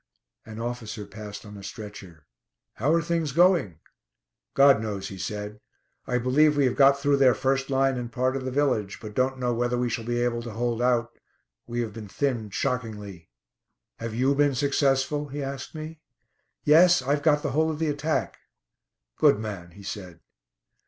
An officer passed on a stretcher. "How are things going?" "God knows," he said. "I believe we have got through their first line and part of the village, but don't know whether we shall be able to hold out; we have been thinned shockingly." "Have you been successful?" he asked me. "Yes, I've got the whole of the attack." "Good man," he said.